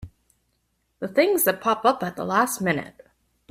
The things that pop up at the last minute!